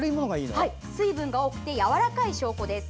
水分が多くてやわらかい証拠です。